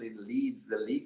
sebenarnya ini merupakan